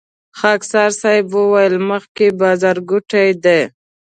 خاکسار صیب وويل مخکې بازارګوټی دی.